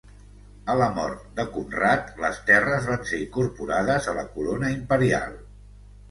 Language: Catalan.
A la mort de Conrad, les terres van ser incorporades a la corona imperial.